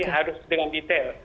harus dengan detail